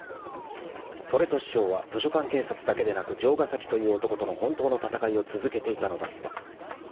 ［それと師匠は図書館警察だけでなく城ヶ崎という男との本当の戦いを続けていたのだった］